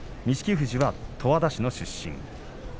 富士は十和田市の出身